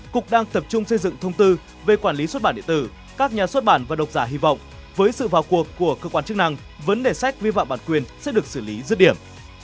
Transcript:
cục đang tập trung xây dựng thông tư về quản lý xuất bản điện tử các nhà xuất bản và độc giả hy vọng với sự vào cuộc của cơ quan chức năng vấn đề sách vi phạm bản quyền sẽ được xử lý rứt điểm